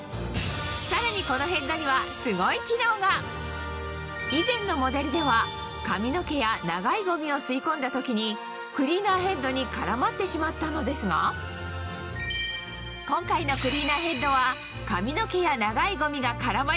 このヘッドには以前のモデルでは髪の毛や長いゴミを吸い込んだ時にクリーナーヘッドに絡まってしまったのですがその秘密は？